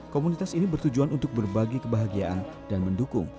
komunitas ini bertujuan untuk berbagi kebahagiaan dan mendukung